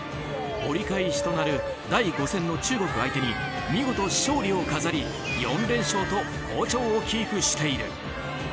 折り返しとなる第５戦の中国相手に見事勝利を飾り４連勝と好調をキープしている。